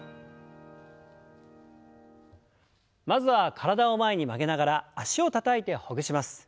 まずは体を前に曲げながら脚をたたいてほぐします。